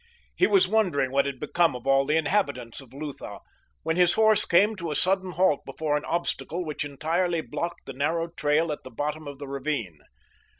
He was wondering what had become of all the inhabitants of Lutha when his horse came to a sudden halt before an obstacle which entirely blocked the narrow trail at the bottom of the ravine.